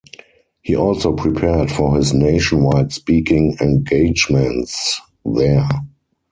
He also prepared for his nationwide speaking engagements there.